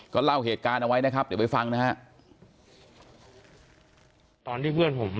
ก็เล่าเหตุการณ์เอาไว้นะครับเดี๋ยวไปฟังนะฮะ